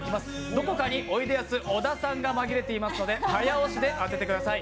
どこかにおいでやす小田さんが紛れていますので早押しで当ててください。